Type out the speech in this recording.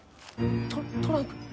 トトランク。